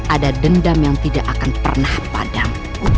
ada dendam yang tidak akan pernah padam